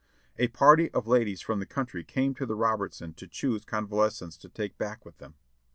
A party of ladies from the country came to The Robertson to choose convalescents to take back with them.